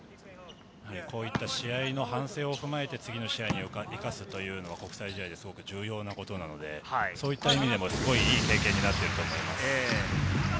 こういう試合の反省を踏まえて、次の試合に生かすという国際試合ですごく重要なことなので、そういう意味でもすごくいい経験になっていると思います。